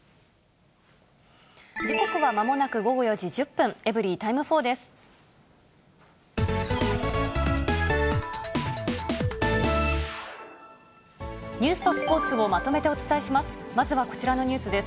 時刻はまもなく午後４時１０分、エブリィタイム４です。